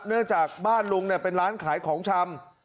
เนื่องจากบ้านลุงเป็นร้านขายของชำ